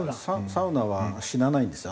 サウナは死なないんです